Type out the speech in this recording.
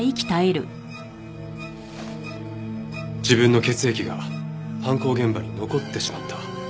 自分の血液が犯行現場に残ってしまった。